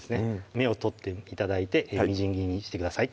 芽を取って頂いてみじん切りにしてください